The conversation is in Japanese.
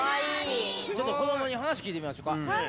ちょっと子どもに話聞いてみますか？